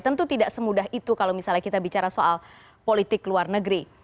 tentu tidak semudah itu kalau misalnya kita bicara soal politik luar negeri